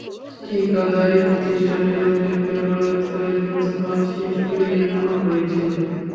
ঠিকাদারি প্রতিষ্ঠানের লোকজনকে অনুরোধ করে দ্রুত কাজ শেষ করিয়ে নেওয়া হয়েছিল।